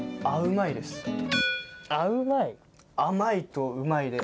「あうまい」？